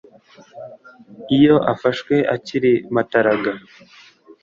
Iyo afashwe akiri mataraga